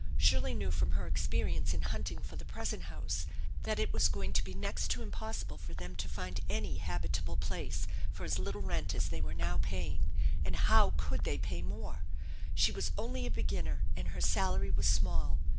Shirley knew from her experience in hunt ing for the present house that it was going to be next to impossible for them to find any habitable place for as little rent as they were now paying, and how could they pay more ? She was only a beginner, and her salary was small.